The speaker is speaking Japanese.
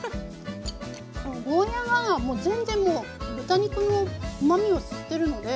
ゴーヤーがもう全然もう豚肉のうまみを吸ってるので何だろもう。